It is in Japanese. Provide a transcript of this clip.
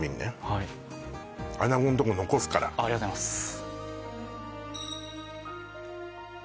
はい穴子んとこ残すからありがとうございます